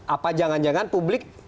apa jangan jangan publik